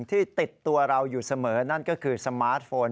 ที่ติดตัวเราอยู่เสมอนั่นก็คือสมาร์ทโฟน